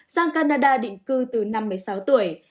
sang canada định cư từ năm một mươi sáu tuổi